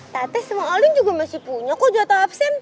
tate sama olin juga masih punya kok juga tak aksen